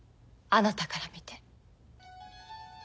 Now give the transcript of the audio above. あなたから見て。